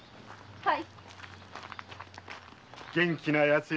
はい。